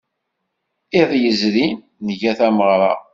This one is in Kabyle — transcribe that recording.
Iḍ yezrin, nga tameɣra.